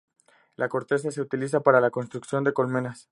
La corteza se utiliza para la construcción de colmenas.